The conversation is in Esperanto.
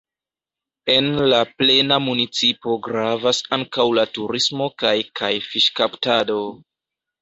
En la plena municipo gravas ankaŭ la turismo kaj kaj fiŝkaptado.